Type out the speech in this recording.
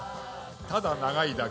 ただ長いだけ。